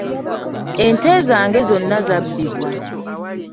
Ente zange zonna zabbibwa